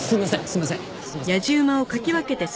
すいません。